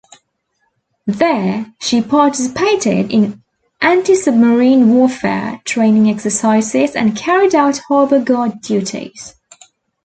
There, she participated in antisubmarine warfare training exercises and carried out harbor guard duties.